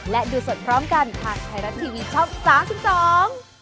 และดูสดพร้อมกันทางไทยรัฐทีวีช่อง๓๒